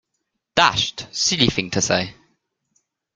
Dashed silly thing to say.